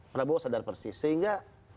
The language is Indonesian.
prabowo sadar persis sehingga